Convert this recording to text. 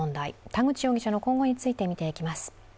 田口容疑者の今後について見ていきます。